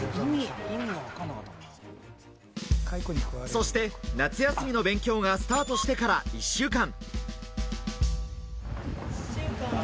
そして夏休みの勉強がスタートしてから１週間。